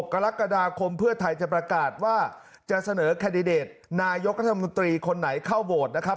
กรกฎาคมเพื่อไทยจะประกาศว่าจะเสนอแคนดิเดตนายกรัฐมนตรีคนไหนเข้าโหวตนะครับ